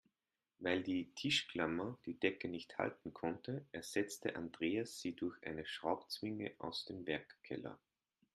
Weil die Tischklammer die Decke nicht halten konnte, ersetzte Andreas sie durch eine Schraubzwinge aus dem Werkkeller.